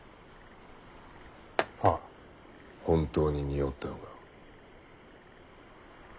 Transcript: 本当ににおったのか？